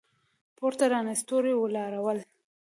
پورته راڼه ستوري ولاړ ول.